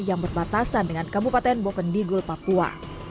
yang berbatasan dengan kabupaten bokendigul papua